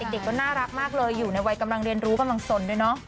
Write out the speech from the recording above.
เด็กก็น่ารักมากเลยอยู่ในวัยกำลังเรียนรู้กำลังสนด้วยเนอะ